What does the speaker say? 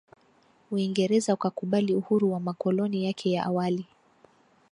Uingereza ukakubali uhuru wa makoloni yake ya awali